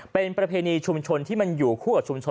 เป็นประเพณีชุมชนที่มันอยู่คู่กับชุมชน